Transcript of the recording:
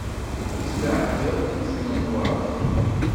Ur ttlaɛej ara tussna n waṛẓen!